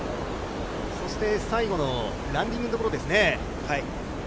最後のランディングのところですね。